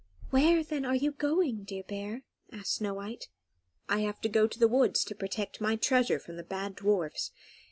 "Where, then, are you going, dear bear?" asked Snow White. "I have to go to the woods to protect my treasure from the bad dwarfs.